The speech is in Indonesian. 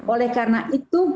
oleh karena itu